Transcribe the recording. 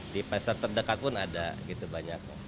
di pasar terdekat pun ada gitu banyak